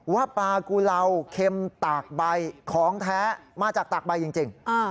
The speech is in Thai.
ว่าปลากุลาวเค็มตากใบของแท้มาจากตากใบจริง